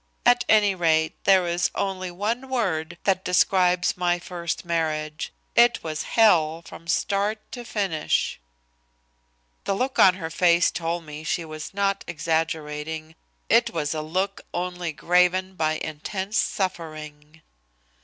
At any rate there is only one word that describes my first marriage. It was hell from start to finish." The look on her face told me she was not exaggerating. It was a look, only graven by intense suffering.